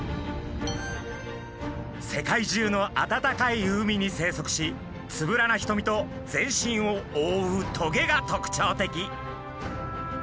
世界中の暖かい海に生息しつぶらなひとみと全身を覆うトゲが特徴的。